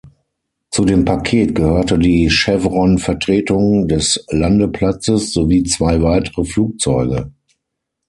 Zu dem Paket gehörte die Chevron-Vertretung des Landeplatzes sowie zwei weitere Flugzeuge.